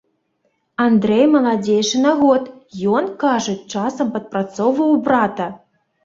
Андрэй маладзейшы на год, ён, кажуць, часам падпрацоўваў у брата.